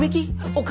お金？